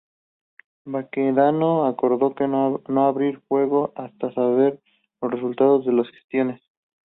Baquedano acordó no abrir fuego hasta saber los resultados de las gestiones.